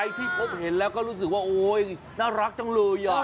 ที่พบเห็นแล้วก็รู้สึกว่าโอ๊ยน่ารักจังเลย